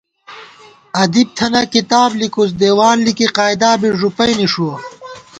ادیب تھنہ کتاب لِکُوس ، دیوان لِکی قاعدا بی ݫُپَئ نِݭُوَہ